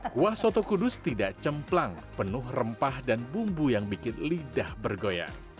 kuah soto kudus tidak cemplang penuh rempah dan bumbu yang bikin lidah bergoyang